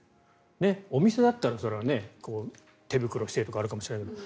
お店だったら手袋してとかあるかもしれないけど